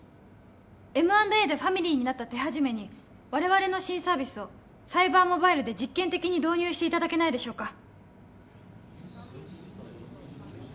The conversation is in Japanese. Ｍ＆Ａでファミリーになった手始めに我々の新サービスをサイバーモバイルで実験的に導入していただけないでしょうか